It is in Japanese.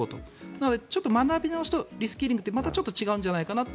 なので学び直しとリスキリングってまたちょっと違うんじゃないのかなと。